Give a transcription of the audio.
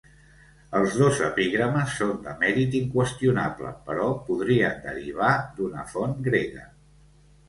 Els dos epigrames són de mèrit inqüestionable però podrien derivar d'una font grega.